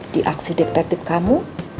di aksi diktatif kamu